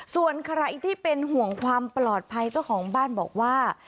ส่วนใครที่เป็นห่วงความปลอดภัยเจ้าของบ้านบอกว่า